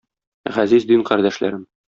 Газиз дин кардәшләрем!